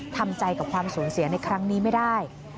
ทำใจกับความสูญเสียในครั้งนี้ไม่ได้